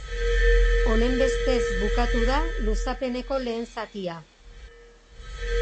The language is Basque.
Honenbestez bukatu da luzapeneko lehen zatia.